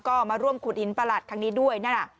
ก็มาร่วมขุดหินประหลัดครั้งนี้ด้วยนั่นน่ะ